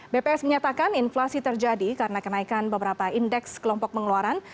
bps menyatakan inflasi terjadi karena kenaikan beberapa indeks kelompok pengeluaran